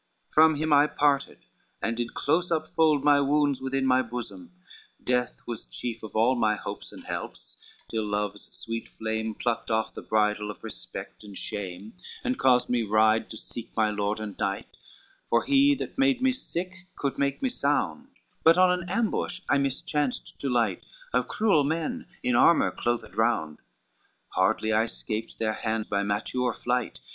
From him I parted, and did close upfold My wounds within my bosom, death was chief Of all my hopes and helps, till love's sweet flame Plucked off the bridle of respect and shame, XCVIII "And caused me ride to seek my lord and knight, For he that made me sick could make me sound: But on an ambush I mischanced to light Of cruel men, in armour clothed round, Hardly I scaped their hand by mature flight.